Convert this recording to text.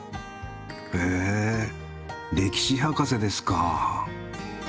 へえ歴史博士ですか。